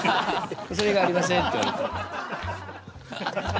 それ以外ありません」って言われて。